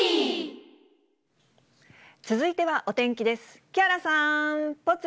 続いてはお天気です。